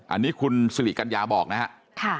อันนี้คุณสิริกัญญาบอกนะครับ